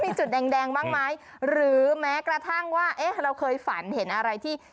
มีจุดแดงแดงบ้างไหมหรือแม้กระทั่งว่าเอ๊ะเราเคยฝันเห็นอะไรที่